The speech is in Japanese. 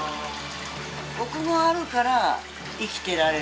ここがあるから生きてられる。